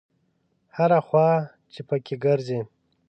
هره خوا چې په کې ګرځې.